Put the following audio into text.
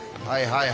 はい。